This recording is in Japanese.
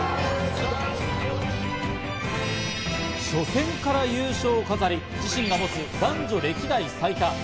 初戦から優勝を飾り、自身が持つ男女歴代最多